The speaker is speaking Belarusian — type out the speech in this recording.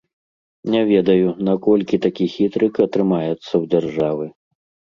Не ведаю, наколькі такі хітрык атрымаецца ў дзяржавы.